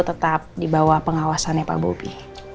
tetap dibawa pengawasannya pak bopi